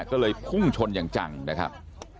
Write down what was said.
ก็เลยพุ่งชนอย่างจังนะครับ